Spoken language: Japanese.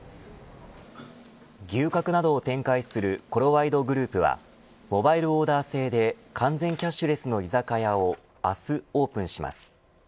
牛角などを展開するコロワイドグループはモバイルオーダー制で完全キャッシュレスの居酒屋を明日オープンします。